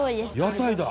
屋台だ！